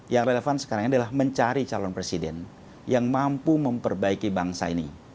yang relevan sekarang ini adalah mencari calon presiden yang mampu memperbaiki bangsa ini